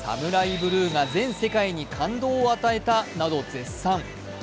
ブルーが全世界に感動を与えたなど絶賛。